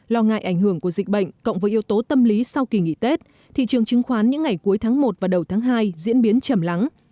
lo ngại ảnh hưởng của dịch bệnh cộng với yếu tố tâm lý sau kỳ nghỉ tết thị trường chứng khoán những ngày cuối tháng một và đầu tháng hai diễn biến chầm lắng